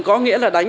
có nghĩa là đánh